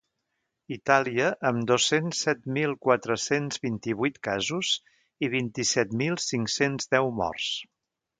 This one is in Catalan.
Itàlia, amb dos-cents set mil quatre-cents vint-i-vuit casos i vint-i-set mil cinc-cents deu morts.